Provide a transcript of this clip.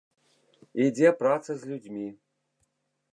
Ідзе праца з людзьмі.